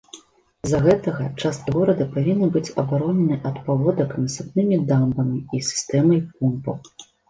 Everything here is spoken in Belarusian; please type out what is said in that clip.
З-за гэтага часткі горада павінны быць абаронены ад паводак насыпнымі дамбамі і сістэмай помпаў.